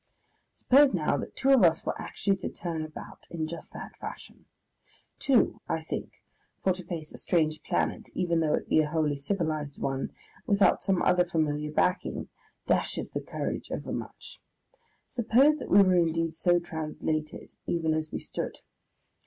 Suppose now that two of us were actually to turn about in just that fashion. Two, I think, for to face a strange planet, even though it be a wholly civilised one, without some other familiar backing, dashes the courage overmuch. Suppose that we were indeed so translated even as we stood.